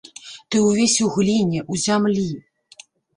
Ты ўвесь у гліне, у зямлі.